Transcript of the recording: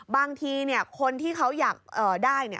บางทีเนี่ยคนที่เขาอยากได้เนี่ย